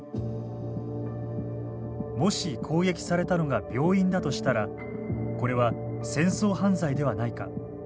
もし攻撃されたのが病院だとしたらこれは戦争犯罪ではないか。